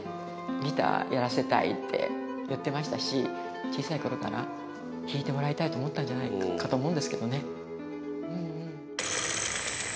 「ギターやらせたい」って言ってましたし小さい頃から弾いてもらいたいと思ったんじゃないかと思うんですけどね。